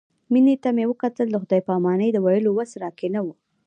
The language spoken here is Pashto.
مينې ته مې وکتل د خداى پاماني د ويلو وس راکښې نه و.